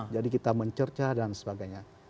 kita mencerca dan sebagainya